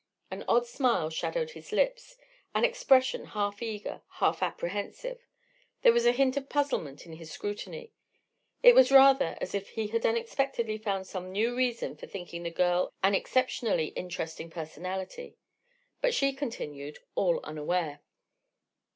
An odd smile shadowed his lips, an expression half eager, half apprehensive; there was a hint of puzzlement in his scrutiny. It was rather as if he had unexpectedly found some new reason for thinking the girl an exceptionally interesting personality. But she continued all unaware.